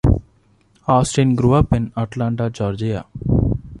Austin grew up in Atlanta, Georgia.